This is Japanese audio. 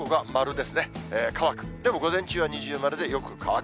でも午前中は二重丸でよく乾く。